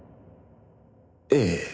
ええ。